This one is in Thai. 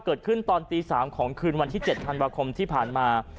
คืนวันที่๗ธันวาคมที่ผ่านมา